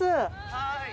はい。